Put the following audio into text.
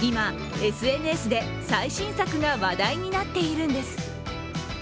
今、ＳＮＳで最新作が話題になっているんです。